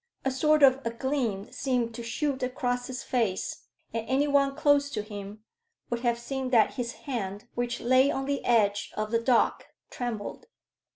A sort of a gleam seemed to shoot across his face, and any one close to him would have seen that his hand, which lay on the edge of the dock, trembled.